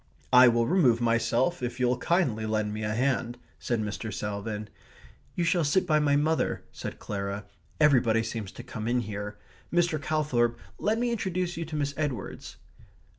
"I will remove myself if you'll kindly lend me a hand," said Mr. Salvin. "You shall sit by my mother," said Clara. "Everybody seems to come in here.... Mr. Calthorp, let me introduce you to Miss Edwards."